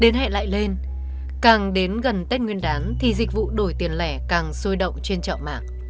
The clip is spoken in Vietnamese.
đến hẹn lại lên càng đến gần tết nguyên đáng thì dịch vụ đổi tiền lẻ càng sôi động trên trọng mạng